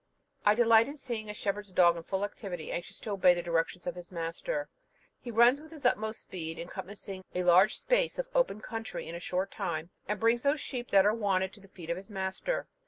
I delight in seeing a shepherd's dog in full activity, anxious to obey the directions of his master. He runs with his utmost speed, encompassing a large space of open country in a short time, and brings those sheep that are wanted to the feet of his master.